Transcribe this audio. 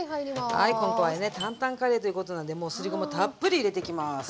はい今回はね担々カレーということなんでもうすりごまたっぷり入れてきます。